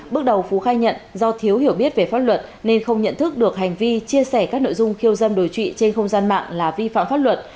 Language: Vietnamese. bước đầu phú khai nhận do thiếu hiểu biết về pháp luật nên không nhận thức được hành vi chia sẻ các nội dung khiêu dâm đối trụy trên không gian mạng là vi phạm pháp luật